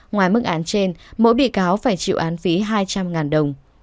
ngoài mức án trên mỗi bị cáo phải chịu án phí hai trăm linh đồng